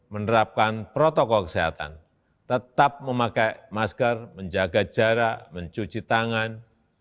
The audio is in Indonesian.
menerapkan protokol kesehatan tetap memakai masker menjaga jarak mencuci tangan